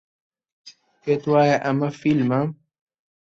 پێت وایە ئەمە فیلمە؟